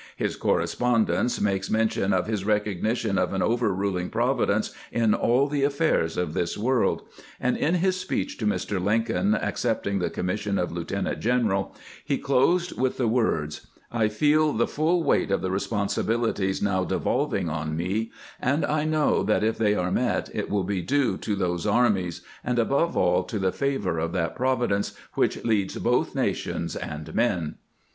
His correspondence makes mention of his recognition of an overruling Providence in aU the affairs of this world ; and in his speech to Mr. Lincoln accepting the commission of lieutenant general he closed with the words :" I feel the full weight of the responsi bilities now devolving on me, and I know that if they are met it will be due to those armies, and, above all, to the favor of that Providence which leads both nations and men."